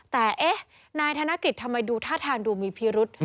แต่เอ๊ะนายธนกฤษทำไมดูท่าทางดูมีพิรุษ